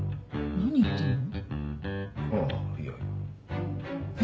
何言ってんだよ。